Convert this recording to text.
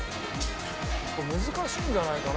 難しいんじゃないかな？